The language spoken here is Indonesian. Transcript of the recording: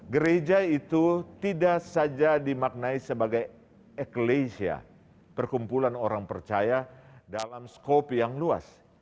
gereja itu tidak saja dimaknai sebagai eklesia perkumpulan orang percaya dalam skop yang luas